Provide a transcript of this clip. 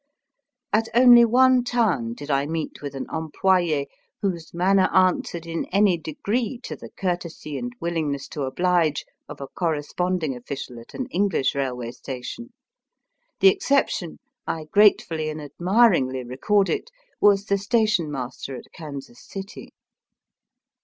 At only one town did I meet with an employ^ whose manner answered in any degree to the courtesy and willingness to obHge of a corresponding official at an English railway station. The exception — I gratefully and admiringly record it — was the station master at Kansas City.